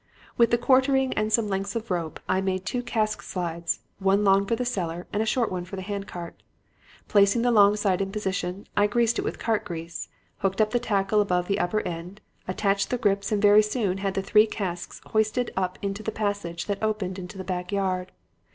With the quartering and some lengths of rope I made two cask slides, a long one for the cellar and a short one for the hand cart. Placing the long slide in position, I greased it with cart grease, hooked the tackle above the upper end, attached the grips and very soon had the three casks hoisted up into the passage that opened into the back yard.